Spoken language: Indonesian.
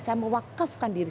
saya mewakafkan diri